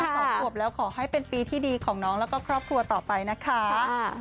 สองขวบแล้วขอให้เป็นปีที่ดีของน้องแล้วก็ครอบครัวต่อไปนะคะ